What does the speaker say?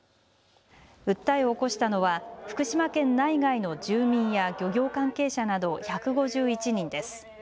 訴えを起こしたのは福島県内外の住民や漁業関係者など１５１人です。